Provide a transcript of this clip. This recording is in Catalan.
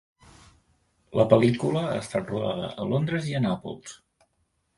La pel·lícula ha estat rodada a Londres i a Nàpols.